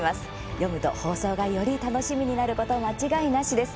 読むと放送がより楽しみになること間違いなしです。